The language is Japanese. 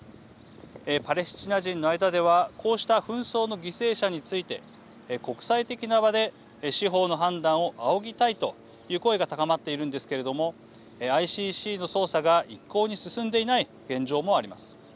パレスチナ人の間ではこうした紛争の犠牲者について国際的な場で司法の判断を仰ぎたいという声が高まっているんですけれどもＩＣＣの捜査が一向に進んでいない現状もあります。